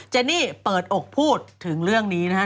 เนนี่เปิดอกพูดถึงเรื่องนี้นะฮะ